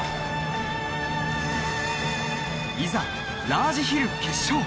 いざ、ラージヒル決勝！